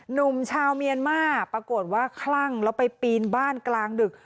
หนุ่มชาวเมียนมาปรากฏว่าคลั่งแล้วไปปีนบ้านกลางดึก